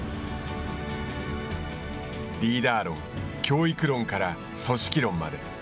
リーダー論、教育論から組織論まで。